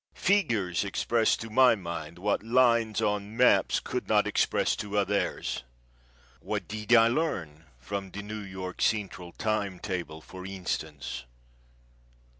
Figures express to my mind what lines or maps could not express to others. What did I learn from the New York Central time table, for instance?